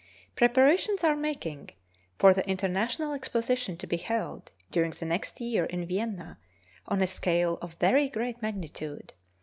Preparations are making for the international exposition to be held during the next year in Vienna, on a scale of very great magnitude.